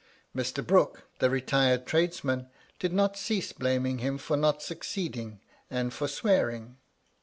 Mr. Brooke, the retired tradesman, did not cease blaming him for not succeeding, and for swearing.